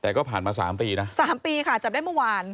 แต่ก็ผ่านมา๓ปีนะ๓ปีค่ะจับได้เมื่อวาน